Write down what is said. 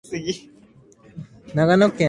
長野県茅野市